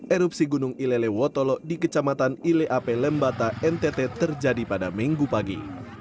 erupsi gunung ilele wotolo di kecamatan ileape lembata ntt terjadi pada minggu pagi